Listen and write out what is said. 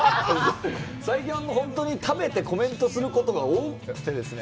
最近は本当に食べてコメントすることが多くてですね。